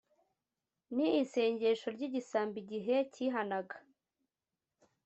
ni isengesho ry’igisambo igihe cyihanaga